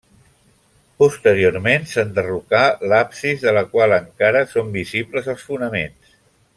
Posteriorment s'enderrocà l'absis de la qual encara són visibles els fonaments.